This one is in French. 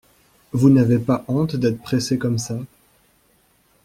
Vous n’avez pas honte d’être pressé comme ça !